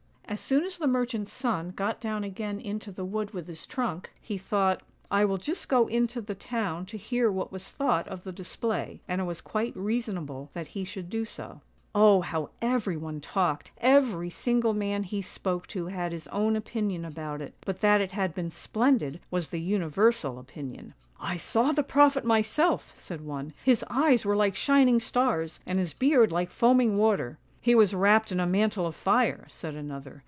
As soon as the merchant's son got down again into the wood with his trunk, he thought, " I will just go into the town to hear what was thought of the display," and it was quite reason able that he should do so. Oh, how every one talked, every single man he spoke to had his own opinion about it, but that it had been splendid was the universal opinion. " I saw the prophet myself," said one; " his eyes were like shining stars, and his beard like foaming water." " He was wrapped in a mantle of fire," said another.